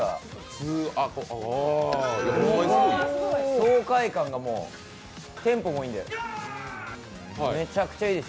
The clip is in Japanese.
爽快感がもう、テンポもいいんで。